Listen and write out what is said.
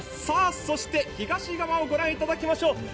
さぁ、そして東側を御覧いただきましょう。